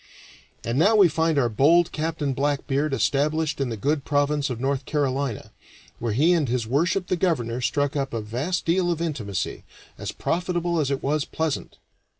And now we find our bold Captain Blackbeard established in the good province of North Carolina, where he and His Worship the Governor struck up a vast deal of intimacy, as profitable as it was pleasant.